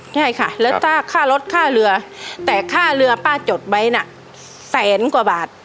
และรักษาค่ารถค่าเรือแต่ข้าเรือป้าจะจดไว้นั่นแสนกว่าบาท